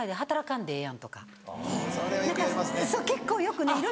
そう結構よくね。